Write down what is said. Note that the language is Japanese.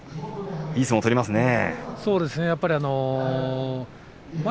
いい相撲を取りますね。